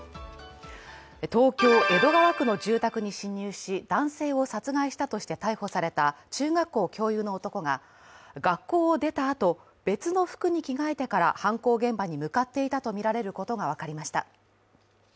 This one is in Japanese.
東京・江戸川区の住宅に侵入し、男性を殺害したとして逮捕された中学校教諭の男が学校を出たあと、別の服に着替えてから犯行現場に向かっていたとみられることが分かりました。